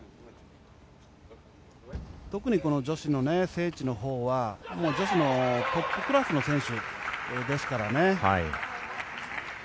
特にこの女子のセーチのほうは女子のトップクラスの選手ですからね。